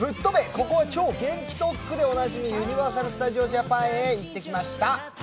ここは超元気特区」でおなじみ、ユニバーサル・スタジオ・ジャパンへ行ってきました